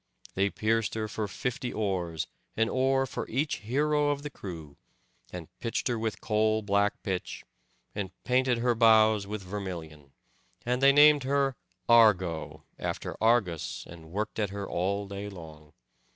They pierced her for fifty oars, an oar for each hero of the crew, and pitched her with coal black pitch, and painted her bows with vermilion; and they named her Argo after Argus, and worked at her all day long.